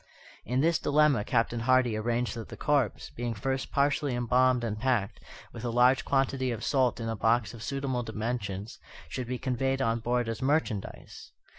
In this dilemma Captain Hardy arranged that the corpse, being first partially embalmed and packed, with a large quantity of salt in a box of suitable dimensions, should be conveyed on board as merchandise.